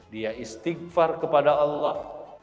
dia istighfar kepada allah